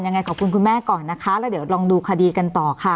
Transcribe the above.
ยังไงขอบคุณคุณแม่ก่อนนะคะแล้วเดี๋ยวลองดูคดีกันต่อค่ะ